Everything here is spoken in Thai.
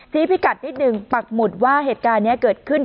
พิกัดนิดนึงปักหมุดว่าเหตุการณ์นี้เกิดขึ้น